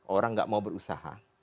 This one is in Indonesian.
orang gak mau berusaha